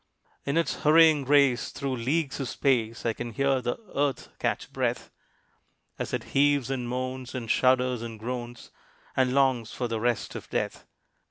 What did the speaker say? In its hurrying race through leagues of space, I can hear the Earth catch breath, As it heaves and moans, and shudders and groans, And longs for the rest of Death.